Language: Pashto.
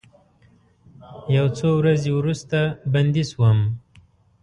یو څو ورځې وروسته بندي شوم.